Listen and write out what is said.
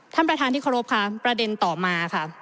ท่านประธานที่เคารพค่ะประเด็นต่อมาค่ะ